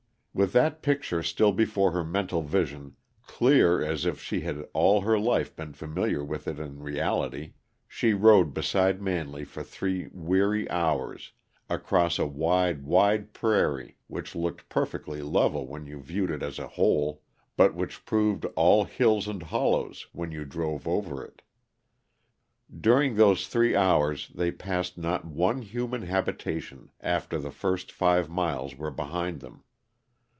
With that picture still before her mental vision, clear as if she had all her life been familiar with it in reality, she rode beside Manley for three weary hours, across a wide, wide prairie which looked perfectly level when you viewed it as a whole, but which proved all hills and hollows when you drove over it. During those three hours they passed not one human habitation after the first five miles were behind them.